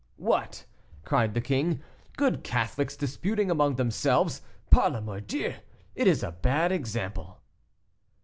"What!" cried the king, "good Catholics disputing among themselves; par la mordieu, it is a bad example."